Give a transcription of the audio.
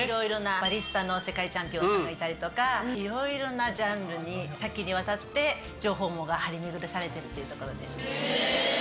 バリスタの世界チャンピオンさんがいたりとかいろいろなジャンルに多岐にわたって情報網が張り巡らされてるというところです。